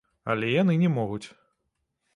Але яны не могуць.